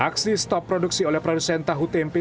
aksi stop produksi oleh produsen tahu tempe